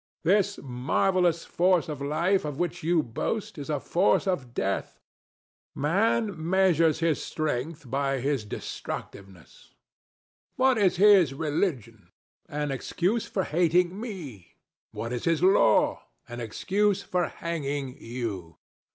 This marvellous force of Life of which you boast is a force of Death: Man measures his strength by his destructiveness. What is his religion? An excuse for hating ME. What is his law? An excuse for hanging YOU.